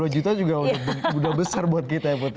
dua puluh dua juta juga mudah besar buat kita ya putri